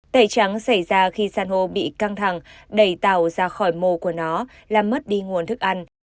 tẩy trắng xảy ra khi san hô bị căng thẳng đẩy tàu ra khỏi mô của nó làm mất đi nguồn thức ăn